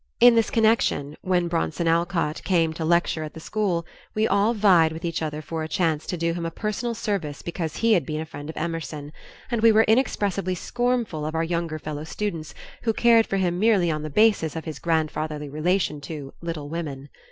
In this connection, when Bronson Alcott came to lecture at the school, we all vied with each other for a chance to do him a personal service because he had been a friend of Emerson, and we were inexpressibly scornful of our younger fellow students who cared for him merely on the basis of his grandfatherly relation to "Little Women."